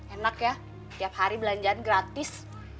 enak ya tiap hari belanjaan gratis